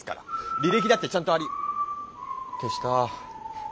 履歴だってちゃんとあり消した。